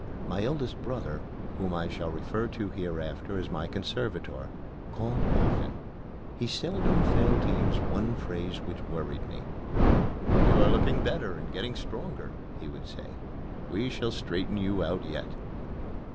My eldest brother, whom I shall refer to hereafter as my conservator, called often. He seldom failed to use one phrase which worried me. "You are looking better and getting stronger," he would say. "We shall straighten you out yet."